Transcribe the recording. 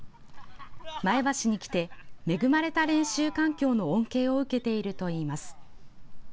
前橋に来て恵まれた練習環境の恩恵を受けているといいます。